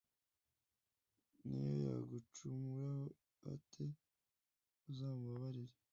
n’iyo yagucumuraho ate uzamubabarire